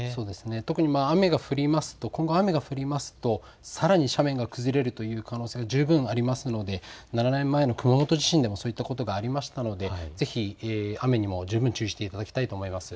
特に雨が降りますとさらに斜面が崩れるという可能性が十分ありますので７年前の熊本地震でもそういったことがありましたのでぜひ雨にも十分注意していただきたいと思います。